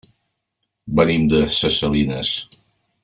Venim de ses Salines.